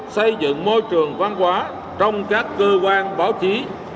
xây dựng môi trường văn hóa trong các cơ quan báo chí